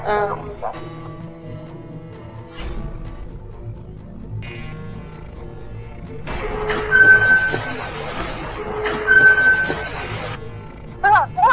chứ không phải là